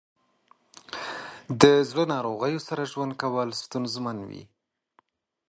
د زړه ناروغیو سره ژوند کول ستونزمن وي.